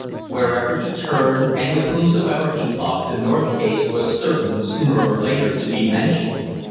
Wherever he turned and with whomsoever he talked the North case was certain sooner or later to be mentioned.